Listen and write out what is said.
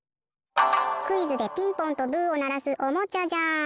クイズでピンポンとブーをならすおもちゃじゃん！